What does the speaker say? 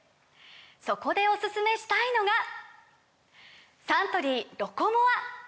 そこでおすすめしたいのがサントリー「ロコモア」！